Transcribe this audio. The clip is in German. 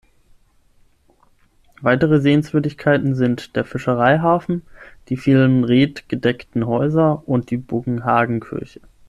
Weitere Sehenswürdigkeiten sind der Fischereihafen, die vielen reetgedeckten Häuser und die Bugenhagenkirche.